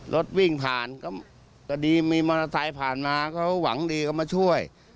รถวิ่งผ่านก็ดีมีมอเตอร์ไซค์ผ่านมาเขาหวังดีก็มาช่วย